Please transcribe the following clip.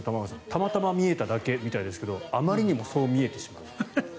たまたま見えただけでしょうけどあまりにもそう見えてしまう。